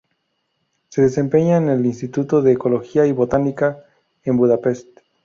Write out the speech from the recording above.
Se desempeña en el "Instituto de Ecología y Botánica", en Budapest.